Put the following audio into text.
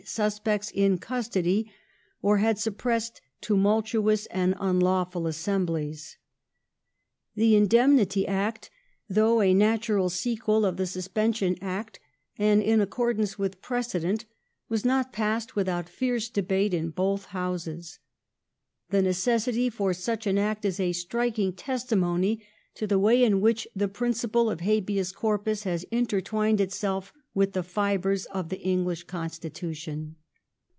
— Wellington ap. Creevey, i. 277. 1822] GENERAL ELECTION OF 1818 31 demnity Act, though a natural sequel of the suspension Act, and in accordance with precedent, was not passed without fierce debate in both Houses. The necessity for such an Act is a striking testimony to the way in which the principle of Habeas Corpus has intertwined itself with the fibres of the English constitution.